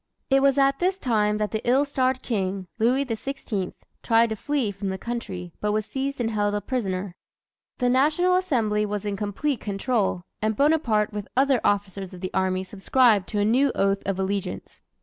It was at this time that the ill starred king, Louis XVI, tried to flee from the country, but was seized and held a prisoner. The National Assembly was in complete control, and Bonaparte with other officers of the army subscribed to a new oath of allegiance.